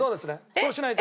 そうしないと。